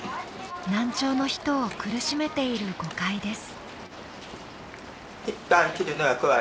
難聴の人を苦しめている誤解です